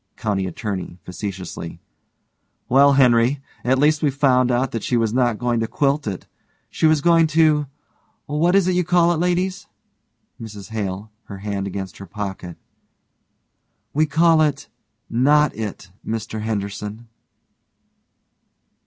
COUNTY ATTORNEY: (facetiously) Well, Henry, at least we found out that she was not going to quilt it. She was going to what is it you call it, ladies? MRS HALE: (her hand against her pocket) We call it knot it, Mr Henderson.